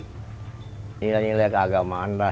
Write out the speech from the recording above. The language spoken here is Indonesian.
ini nilai nilai keagamaan lah